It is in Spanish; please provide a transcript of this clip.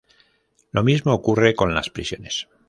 Lo mismo ocurre con las prisiones.